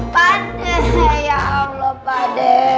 panas ya allah pade